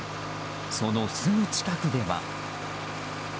そのすぐ近くでは。